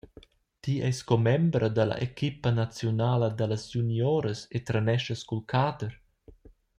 Ti eis commembra dalla equipa naziunala dallas junioras e treneschas cul cader?